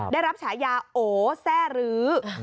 ได้รับฉายาโอแซ่รื้อ